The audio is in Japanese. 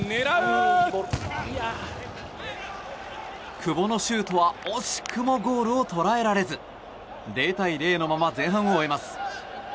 久保のシュートは惜しくもゴールを捉えられず０対０のまま前半を終えます。